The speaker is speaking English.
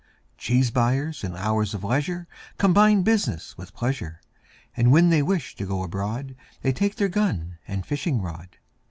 Cheese buyers in hours of leisure Combine business with pleasure, And when they wish to go abroad They take their gun and fishing rod.